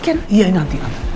itu dan awannya iya